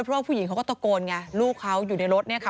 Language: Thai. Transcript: เพราะว่าผู้หญิงเขาก็ตะโกนไงลูกเขาอยู่ในรถเนี่ยค่ะ